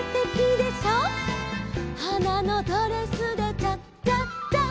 「はなのドレスでチャチャチャ」